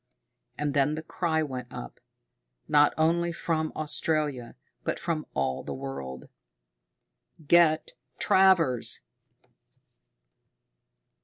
And then the cry went up, not only from Australia, but from all the world, "Get Travers!"